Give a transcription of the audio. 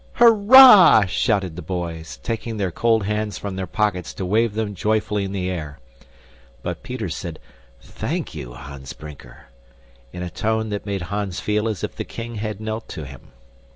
"Hurrah!" shouted the boys, taking their cold hands from their pockets to wave them joyfully in the air. But Peter said "Thank you, Hans Brinker" in a tone that made Hans feel as if the king had knelt to him.